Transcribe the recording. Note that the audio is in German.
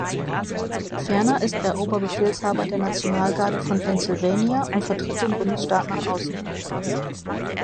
Ferner ist er Oberbefehlshaber der Nationalgarde von Pennsylvania und vertritt den Bundesstaat nach außen.